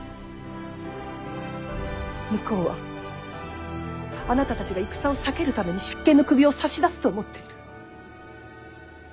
向こうはあなたたちが戦を避けるために執権の首を差し出すと思ってる。